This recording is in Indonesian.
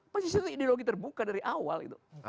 pancasila itu ideologi terbuka dari awal